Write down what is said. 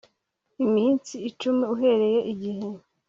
iminsi icumi uhereye igihe